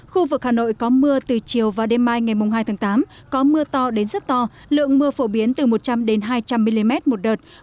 khu vực hà nội có mưa từ chiều và đêm mai ngày hai tháng tám có mưa to đến rất to lượng mưa phổ biến từ một trăm linh hai trăm linh mm một đợt